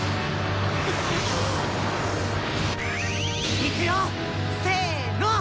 いくよっせーのッ！